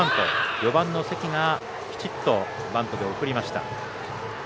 ４番の関がきちっとバントで送りました。